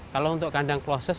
kalau untuk kandang close host